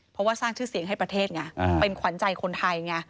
เพราะว่าสร้างชื่อเสียงให้ประเทศไงเป็นขวัญใจคนไทยไง